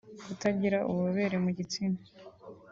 Kutagira ububobere mu gitsina